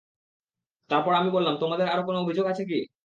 তারপর আমি বললাম, তোমাদের আরো কোন অভিযোেগ আছে কি?